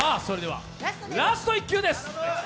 それではラスト１球です。